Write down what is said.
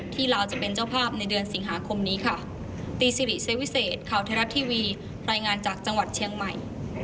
ที่ลาวจะเป็นเจ้าภาพในเดือนสิงหาคมนี้